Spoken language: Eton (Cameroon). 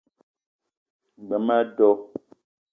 G-beu ma a do